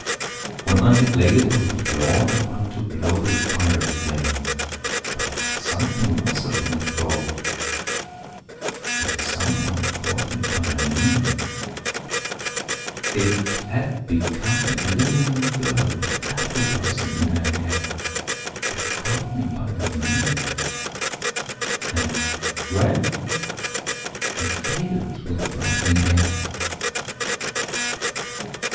When I had laid it on the floor I went to blow the fire a flame, But something rustled on the floor, And someone called me by my name: It had become a glimmering girl With apple blossom in her hair Who called me by my name and ran And faded through the brightening air.